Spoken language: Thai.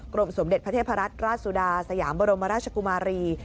สมเด็จพระเทพรัตนราชสุดาสยามบรมราชกุมารี